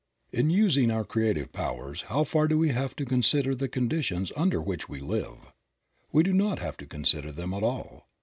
In using our creative powers, how far do we have to con sider the conditions under which we live? We do not have to consider them at all.